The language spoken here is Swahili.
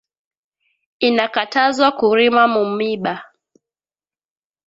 Ina katazwa kurima mu miba